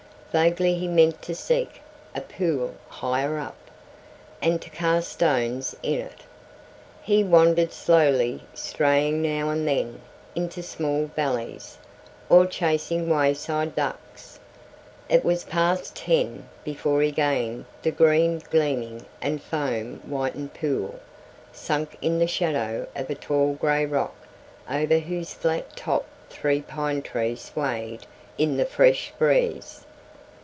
Vaguely he meant to seek a pool higher up, and to cast stones in it. He wandered slowly straying now and then into small valleys, or chasing wayside ducks. It was past ten before he gained the green gleaming and foam whitened pool, sunk in the shadow of a tall gray rock over whose flat top three pine trees swayed in the fresh breeze.